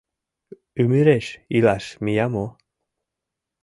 Ӱмыреш илаш мия мо?